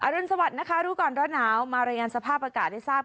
รุนสวัสดิ์นะคะรู้ก่อนร้อนหนาวมารายงานสภาพอากาศให้ทราบ